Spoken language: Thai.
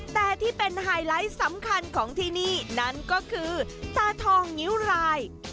แต่ที่เป็นไฮไลท์สำคัญของที่นี่นั่นก็คือตาทองงิ้วราย